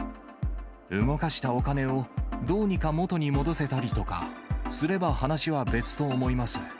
動かしたお金をどうにか元に戻せたりとかすれば、話は別と思います。